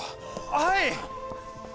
はい！